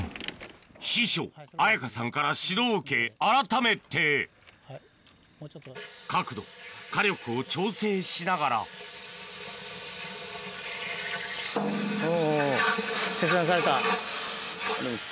師匠綾香さんから指導を受け改めて角度火力を調整しながらお。